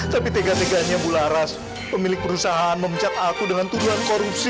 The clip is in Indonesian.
tapi tega teganya bularas pemilik perusahaan memecat aku dengan tuduhan korupsi